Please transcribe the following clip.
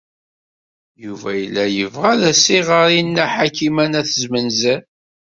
Yuba yella yebɣa ad as-iɣer i Nna Ḥakima n At Zmenzer.